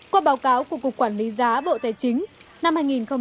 qua báo cáo của cục quản lý giá bộ tài chính năm hai nghìn một mươi tám